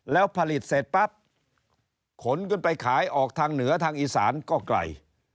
แล้วผลิตเสร็จปั๊บขนขึ้นไปขายออกทางเหนือทางอีสานก็ไกล